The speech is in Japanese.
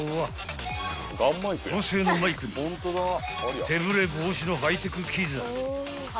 ［高性能マイクに手ぶれ防止のハイテク機材］